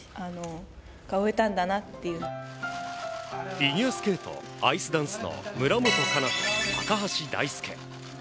フィギュアスケートアイスダンスの村元哉中と高橋大輔。